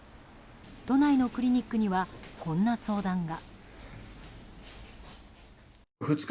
都内のクリニックにはこんな相談が。